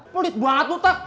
pelit banget lu tak